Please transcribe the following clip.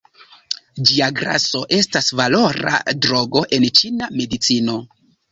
Ĝia graso estas valora drogo en ĉina medicino.